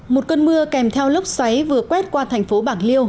một cơn mưa kèm theo lốc xoáy vừa quét qua thành phố bạc liêu